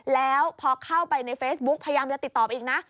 แล้วพอเข้าไปในเฟซบุ๊กพยายามจะติดต่ออีกนะ